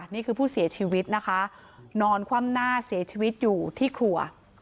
นี่คือผู้เสียชีวิตนะคะนอนคว่ำหน้าเสียชีวิตอยู่ที่ครัว